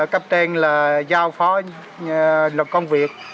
cấp tên là giao phó lập công việc